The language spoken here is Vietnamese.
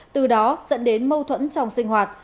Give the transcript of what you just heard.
từ đó dẫn đến mâu thuẫn trong sinh hoạt